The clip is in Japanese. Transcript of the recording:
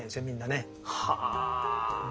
みんなね。